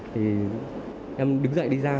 thì em đứng dậy đi ra